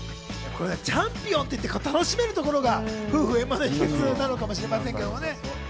これね、チャンピオンといって楽しめるところが夫婦円満の秘訣なのかもしれませんけどね。